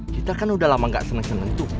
kita kan udah lama gak seneng seneng tuh